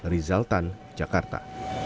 rizal tan jakarta